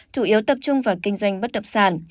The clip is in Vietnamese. chủ yếu tập trung vào kinh doanh bất động sản